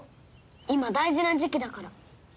今大事な時期だから。